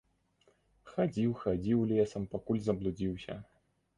Хадзіў, хадзіў лесам, пакуль заблудзіўся.